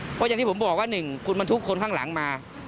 เพราะอย่างที่ผมบอกว่า๑คุณบรรทุกคนข้างหลังมา